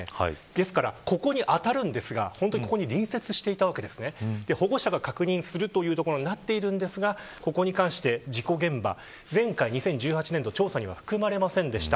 ですから、ここに当たるんですが保護者が確認するということになっているんですがここに関して事故現場、前回２０１８年度の調査には含まれませんでした。